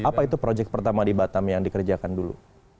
apa itu proyek pertama di batam yang dikerjakan dulu